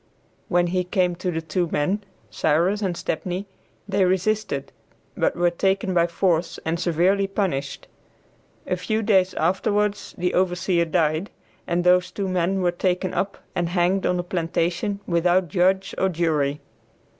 When he came to the two men, Cyrus and Stepney, they resisted, but were taken by force and severely punished. A few days afterwards the overseer died, and those two men were taken up and hanged on the plantation without judge or jury.